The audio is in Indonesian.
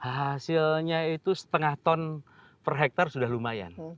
hasilnya itu setengah ton per hektare sudah lumayan